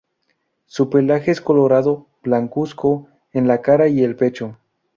Su pelaje es colorado, blancuzco en la cara y el pecho.